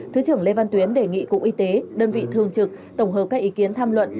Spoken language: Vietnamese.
thứ trưởng lê văn tuyến đề nghị cục y tế đơn vị thường trực tổng hợp các ý kiến tham luận